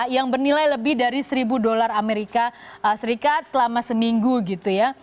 yang bernilai lebih dari seribu dolar amerika serikat selama seminggu gitu ya